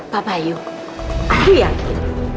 pak bayu aku yakin